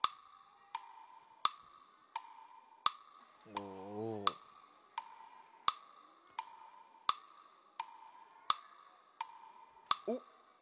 おお。おっ。